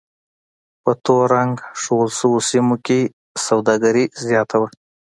په تور رنګ ښودل شویو سیمو کې سوداګري زیاته وه.